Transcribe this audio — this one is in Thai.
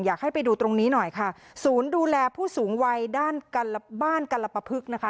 อยากให้ไปดูตรงนี้หน่อยค่ะศูนย์ดูแลผู้สูงวัยด้านบ้านกรปภึกนะคะ